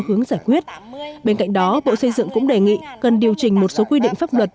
hướng giải quyết bên cạnh đó bộ xây dựng cũng đề nghị cần điều chỉnh một số quy định pháp luật